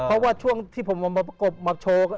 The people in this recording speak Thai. เพราะว่าช่วงที่ผมเอามาประกบมาโชว์